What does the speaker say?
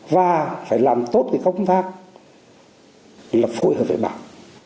và phải làm tốt cái công tác là phối hợp với bản